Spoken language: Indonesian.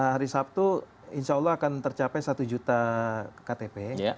hari sabtu insya allah akan tercapai satu juta ktp